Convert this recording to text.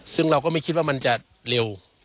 ซึ่งเราก็ไม่คิดว่ามันจะเร็ว